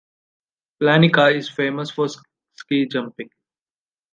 Planica is famous for ski jumping.